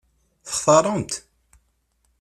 Textaṛem-t?